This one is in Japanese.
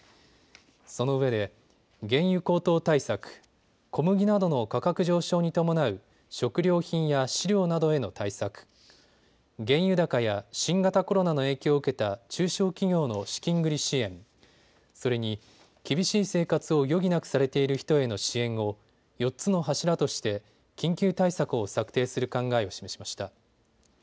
そのうえで原油高騰対策、小麦などの価格上昇に伴う食料品や飼料などへの対策、原油高や新型コロナの影響を受けた中小企業の資金繰り支援、それに、厳しい生活を余儀なくされている人への支援を４つの柱として緊急対策を策定する考えを示しました。